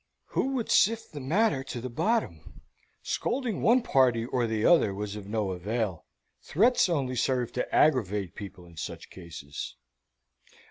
"Who would sift the matter to the bottom? Scolding one party or the other was of no avail. Threats only serve to aggravate people in such cases.